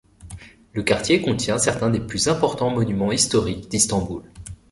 Le quartier contient certains des plus importants monuments historiques d'Istanbul.